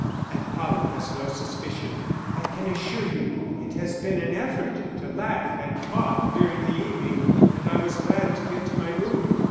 _ _Aunt Polly has no suspicion. I can assure you it has been an effort to laugh and talk during the evening, and I was glad to get to my room.